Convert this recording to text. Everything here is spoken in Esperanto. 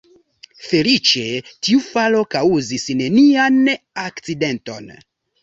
Feliĉe tiu falo kaŭzis nenian akcidenton.